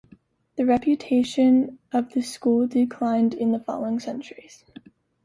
The reputation of the school declined in the following centuries.